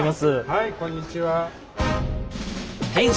はいこんにちは。